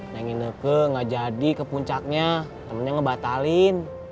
neng ineke gak jadi ke puncaknya namanya ngebatalin